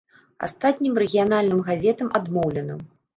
Астатнім рэгіянальным газетам адмоўлена.